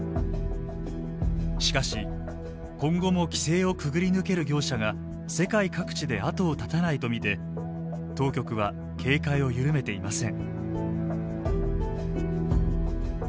しかし今後も規制をくぐり抜ける業者が世界各地で後を絶たないと見て当局は警戒を緩めていません。